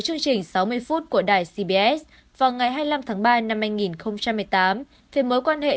chương trình sáu mươi phút của đài cbs vào ngày hai mươi năm tháng ba năm hai nghìn một mươi tám thì mối quan hệ